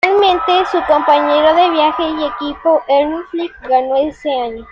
Finalmente su compañero de viaje y equipo Elmer Flick ganó ese año.